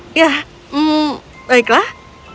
hahaha ya hmm baiklah